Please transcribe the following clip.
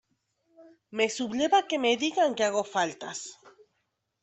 Me subleva que me digan que hago faltas.